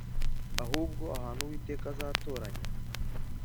ahubwo ahantu Uwiteka azatoranya